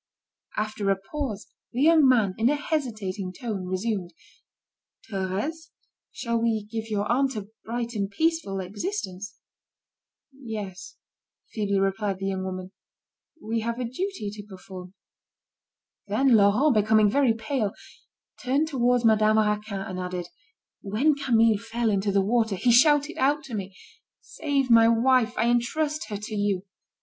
After a pause, the young man, in a hesitating tone, resumed: "Thérèse, shall we give your aunt a bright and peaceful existence?" "Yes," feebly replied the young woman, "we have a duty to perform." Then Laurent, becoming very pale, turned towards Madame Raquin, and added: "When Camille fell into the water, he shouted out to me: 'Save my wife, I entrust her to you.